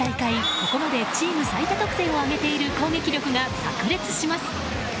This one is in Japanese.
ここまでチーム最多得点を挙げている攻撃力がさく裂します。